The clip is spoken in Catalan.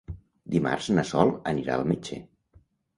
Dimarts na Sol anirà al metge.